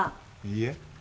いいえ。